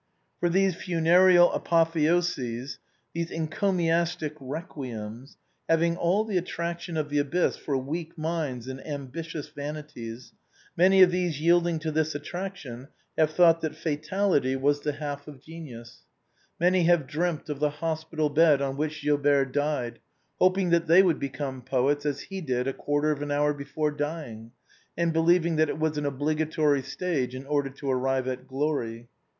For these funereal apotheoses, these encomiastic requiems, having all the attraction of the abyss for weak minds and ambitious vanities, many of these yielding to this attraction have thought that fatality was the half of genius; many have dreamt of the hospital bed on which Gilbert died, hoping that they would become poets, a^ he did a quarter of Ml hour before dying, and believing that it was an obliga tory stage in order to arrive at glory.